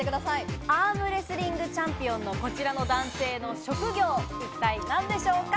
アームレスリングチャンピオンのこちらの男性の職業、一体何でしょうか？